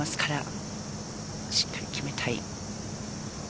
しっかり決めたい。